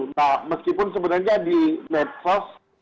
nah meskipun sebenarnya di medsos